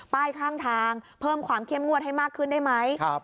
ข้างทางเพิ่มความเข้มงวดให้มากขึ้นได้ไหม